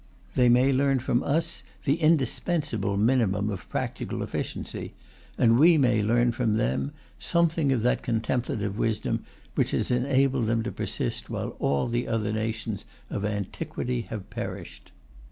They may learn from us the indispensable minimum of practical efficiency, and we may learn from them something of that contemplative wisdom which has enabled them to persist while all the other nations of antiquity have perished.